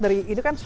dari itu kan